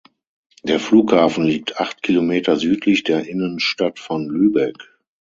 Der Flughafen liegt acht Kilometer südlich der Innenstadt von Lübeck.